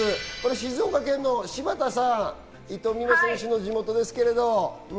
静岡県の柴田さん、伊藤美誠選手の地元ですね。